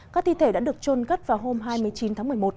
các thi thể đã được trôn cất vào hôm hai mươi chín tháng một mươi một